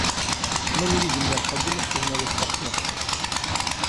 Мы не видим необходимости в новых партнерствах.